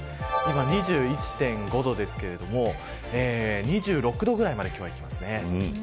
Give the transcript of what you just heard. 今２１．５度ですけど２６度ぐらいまで今日はいきますね。